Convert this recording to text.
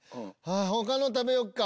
他の食べよっか！